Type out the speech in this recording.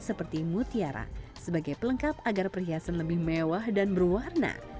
seperti mutiara sebagai pelengkap agar perhiasan lebih mewah dan berwarna